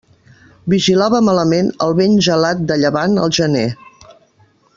Vigilava malament el vent gelat de llevant al gener.